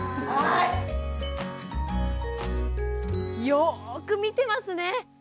よく見てますね。